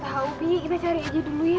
gak tau bi kita cari aja dulu ya